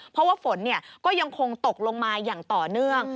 เพราะว่าฝนก็ยังคงตกลงมาอย่างต่อเนื่อง